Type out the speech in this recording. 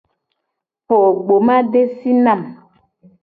Po gbomadesi na mu.